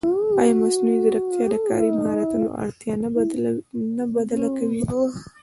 ایا مصنوعي ځیرکتیا د کاري مهارتونو اړتیا نه بدله کوي؟